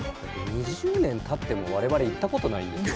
２０年たっても我々行ったことないんですよ。